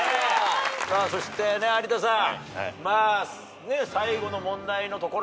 そして有田さん。